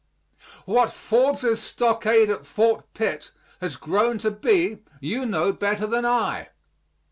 What Forbes's stockade at Fort Pitt has grown to be you know better than I.